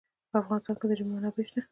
په افغانستان کې د ژمی منابع شته.